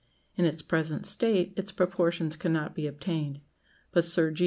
In its present state its proportions cannot be obtained; but Sir G.